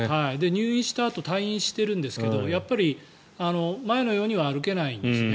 入院したあと退院してるんですけどやっぱり前のようには歩けないんですよね。